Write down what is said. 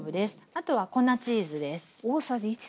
あとは粉チーズです。